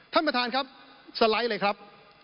ท่านประธานครับสไลด์เลยครับ